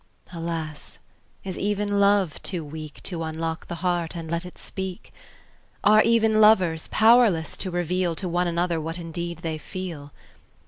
Alas! is even love too weak To unlock the heart, and let it speak? Are even lovers powerless to reveal To one another what indeed they feel?